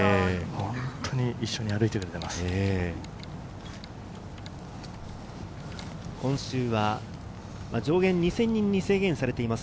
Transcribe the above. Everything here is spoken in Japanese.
本当に一緒に歩いてくれています。